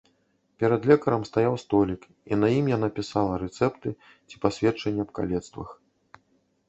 Перад лекарам стаяў столік, і на ім яна пісала рэцэпты ці пасведчанні аб калецтвах.